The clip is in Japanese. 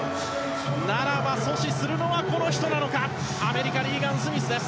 ならば阻止するのはこの人なのかアメリカリーガン・スミスです。